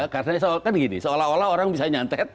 karena seolah olah orang bisa nyantet